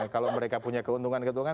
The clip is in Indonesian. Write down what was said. kalau mereka punya keuntungan keuntungan